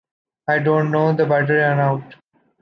I don’t know. The battery ran out.